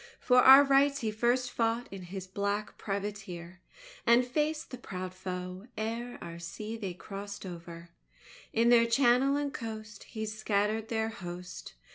For our rights he first fought in his "black privateer," And faced the proud foe, ere our sea they crossed over In their channel and coast, He scattered their host.